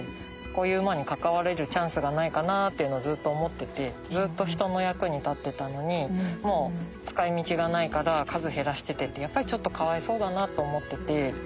こういう馬に関われるチャンスがないかなってずっと思っててずっと人の役に立ってたのにもう使い道がないから数減らしててってやっぱりちょっとかわいそうだなと思ってて。